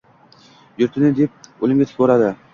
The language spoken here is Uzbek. Yurtini deb o‘limga tik boradi.